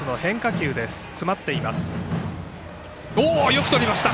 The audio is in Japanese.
よくとりました！